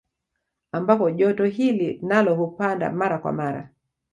Ambapo joto hili nalo hupanda mara kwa mara